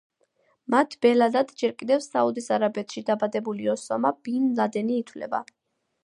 მათ ბელადად ჯერ კიდევ საუდის არაბეთში დაბადებული ოსამა ბინ ლადენი ითვლება.